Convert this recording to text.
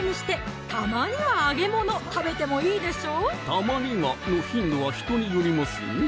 「たまには」の頻度は人によりますね